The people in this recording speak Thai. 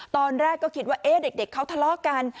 ตอนแรกก็คิดว่าเด็กเขาทะเลาะกัน